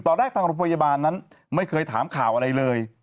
แรกทางโรงพยาบาลนั้นไม่เคยถามข่าวอะไรเลย